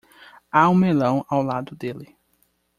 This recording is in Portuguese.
Há um melão ao lado dele.